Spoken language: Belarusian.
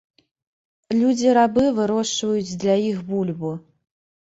Людзі-рабы вырошчваюць для іх бульбу.